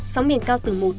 sóng miền cao từ một hai m